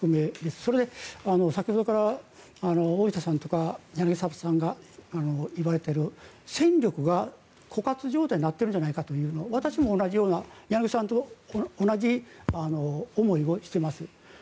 それで先ほどから大下さんとか柳澤さんがいわれている戦力が枯渇状態になってるじゃないかというのは私も同じような、柳澤さんと同じ思いをしています。